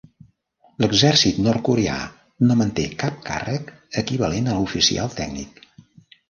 L'exèrcit nord-coreà no manté cap càrrec equivalent a oficial tècnic.